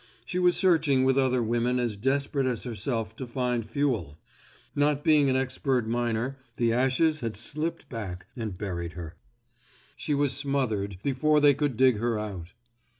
She was searching with other women as desperate as herself to find fuel. Not being an expert miner, the ashes had slipped back and buried her. She was smothered before they could dig her out.